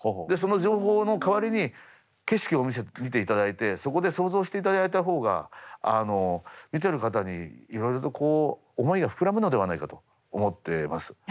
でその情報の代わりに景色を見ていただいてそこで想像していただいたほうがあの見てる方にいろいろとこう思いが膨らむのではないかと思ってます。